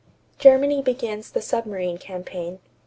=Germany Begins the Submarine Campaign.